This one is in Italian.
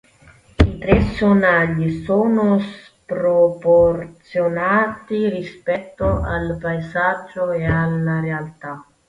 I tre sonagli sono sproporzionati rispetto al paesaggio e alla realtà.